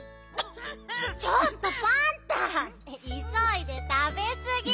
ちょっとパンタいそいでたべすぎ！